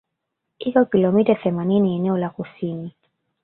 Iko kilomita themanini eneo la kusini